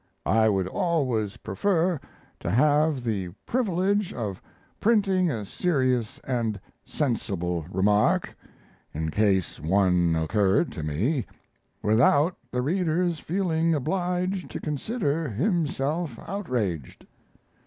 I would always prefer to have the privilege of printing a serious and sensible remark, in case one occurred to me, without the reader's feeling obliged to consider himself outraged....